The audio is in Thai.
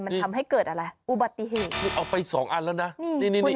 มันทำให้เกิดอะไรอุบัติเหตุคือเอาไปสองอันแล้วนะนี่นี่นี่